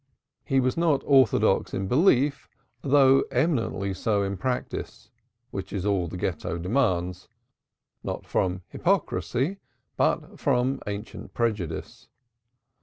He was not "orthodox" in belief though eminently so in practice which is all the Ghetto demands not from hypocrisy but from ancient prejudice.